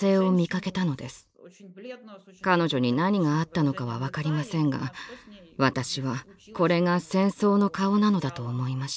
彼女に何があったのかは分かりませんが私はこれが戦争の顔なのだと思いました。